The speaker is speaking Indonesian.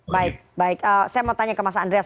baik baik saya mau tanya ke mas andreas